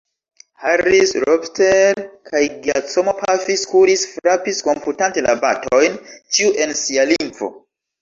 Harris, Lobster kaj Giacomo pafis, kuris, frapis, komputante la batojn, ĉiu en sia lingvo.